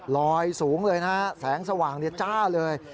ลอยสูงเลยนะแสงสว่างเรียบจ้าเลย